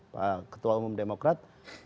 pak ketua umum demokrat